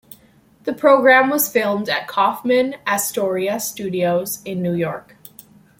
The program was filmed at Kaufman Astoria Studios in New York.